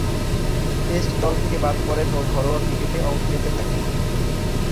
Test দল থেকে বাদ পড়েন ও ঘরোয়া ক্রিকেটে অংশ নিতে থাকেন।